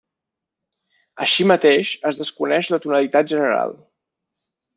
Així mateix, es desconeix la tonalitat general.